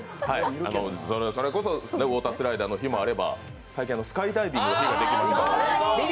それこそウォータースライダーの日もあれば最近、スカイダイビングの日もできました。